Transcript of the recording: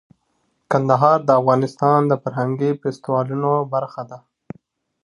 کندهار د افغانستان د فرهنګي فستیوالونو برخه ده.